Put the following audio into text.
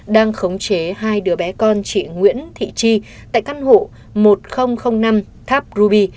đang khống chế hai đứa bé con chị nguyễn thị tri tại căn hộ một nghìn năm tháp ruby